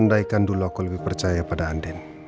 anda ikan dulu aku lebih percaya pada anden